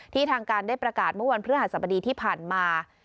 ที่ทางการได้ประกาศเมื่อวันเพื่อหัศจรรย์ประดีที่ผ่านมา